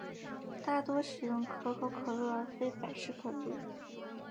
大多使用可口可乐而非百事可乐。